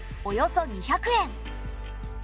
およそ２００円。